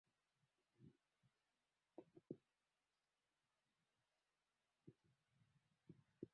alishinda Mosul Syria Palestina na Misri halafu Hungary na Algeria